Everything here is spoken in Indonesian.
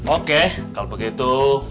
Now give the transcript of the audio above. oke kalau begitu